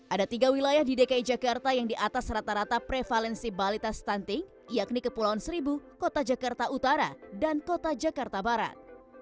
ada tiga wilayah di dki jakarta yang di atas rata rata prevalensi balita stunting yakni kepulauan seribu kota jakarta utara dan kota jakarta barat